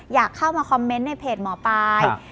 อยากเข้ามาคอมเมนต์ในเพจหมอปลาย